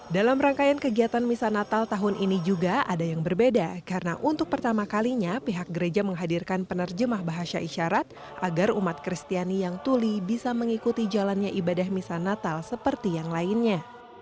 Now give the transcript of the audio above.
dalam rangkaian kegiatan misa natal tahun ini juga ada yang berbeda karena untuk pertama kalinya pihak gereja menghadirkan penerjemah bahasa isyarat agar umat kristiani yang tuli bisa mengikuti jalannya ibadah misa natal seperti yang lainnya